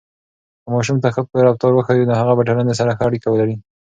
که ماشوم ته ښه رفتار وښیو، نو هغه به ټولنې سره ښه اړیکه ولري.